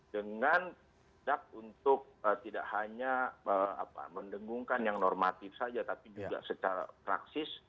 dengan dak untuk tidak hanya mendengungkan yang normatif saja tapi juga secara praksis